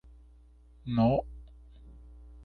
Un cochinillo tiene alrededor de dos años de edad.